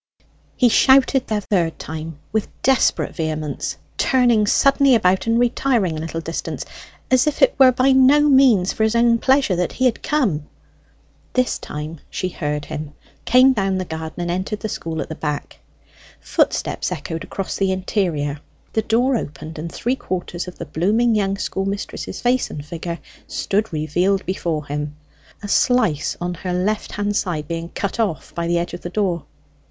He shouted the third time, with desperate vehemence, turning suddenly about and retiring a little distance, as if it were by no means for his own pleasure that he had come. This time she heard him, came down the garden, and entered the school at the back. Footsteps echoed across the interior, the door opened, and three quarters of the blooming young schoolmistress's face and figure stood revealed before him; a slice on her left hand side being cut off by the edge of the door.